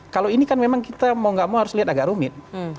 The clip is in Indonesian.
kalau ini kan memang kita mau gak mau harus lihat agak rumit